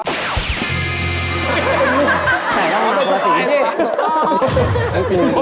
ใส่ได้มากประสิทธิ์